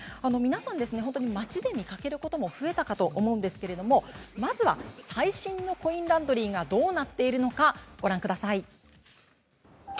皆さん、町で見かけることも増えたかと思いますけれどもまずは最新のコインランドリーがどうなっているのかご覧ください。